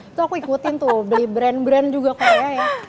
itu aku ikutin tuh beli brand brand juga kayaknya ya